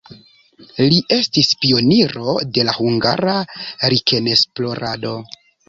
Li estis pioniro de la hungara likenesplorado.